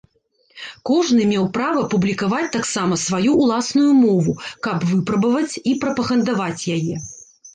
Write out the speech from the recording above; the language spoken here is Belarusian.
Кожны меў права публікаваць таксама сваю ўласную мову, каб выпрабаваць і прапагандаваць яе.